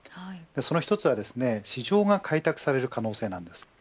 その１つはですね、市場が開拓される可能性なんです。